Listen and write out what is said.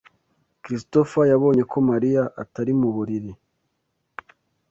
Christopher yabonye ko Mariya atari mu buriri.